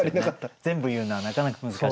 全部言うのはなかなか難しい。